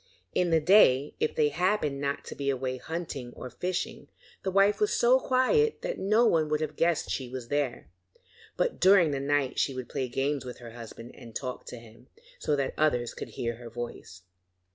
In the day, if they happened not to be away hunting or fishing, the wife was so quiet that no one would have guessed she was there, but during the night she would play games with her husband and talk to him, so that the others could hear her voice.